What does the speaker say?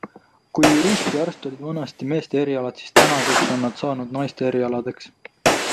Kui jurist ja arst olid vanasti meeste erialad, siis tänaseks on nad saanud naiste erialadeks.